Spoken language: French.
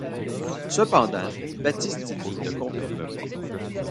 Cependant Battistini ne confirme pas.